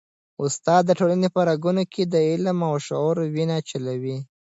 استاد د ټولني په رګونو کي د علم او شعور وینه چلوي.